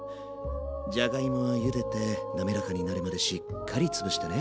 じゃがいもはゆでてなめらかになるまでしっかりつぶしてね。